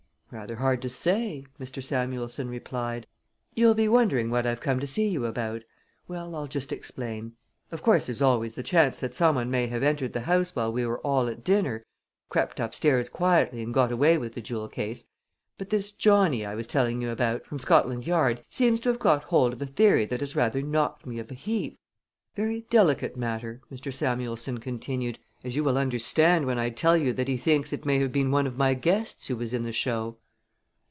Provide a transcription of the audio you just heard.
"Rather hard to say," Mr. Samuelson replied. "You'll be wondering what I've come to see you about. Well, I'll just explain. Of course there's always the chance that some one may have entered the house while we were all at dinner crept upstairs quietly and got away with the jewel case; but this Johnny I was telling you about, from Scotland Yard, seems to have got hold of a theory that has rather knocked me of a heap. Very delicate matter," Mr. Samuelson continued, "as you will understand when I tell you that he thinks it may have been one of my guests who was in the show."